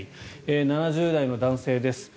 ７０代の男性です。